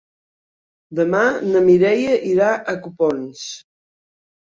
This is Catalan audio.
Demà na Mireia irà a Copons.